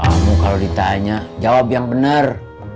kamu kalau ditanya jawab yang benar